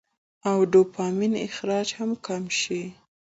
او ډوپامين اخراج هم کم شي -